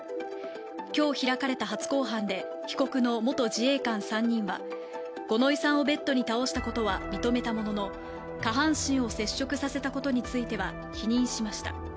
今日開かれた初公判で被告の元自衛官３人は、五ノ井さんをベッドに倒したことは認めたものの下半身を接触させたことについては否認しました。